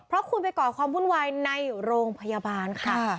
เพราะคุณไปก่อความวุ่นวายในโรงพยาบาลค่ะ